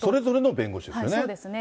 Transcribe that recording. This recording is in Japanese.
そうですね。